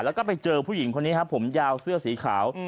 แล้วก็ไปเจอผู้หญิงคนนี้ครับผมยาวเสื้อสีขาว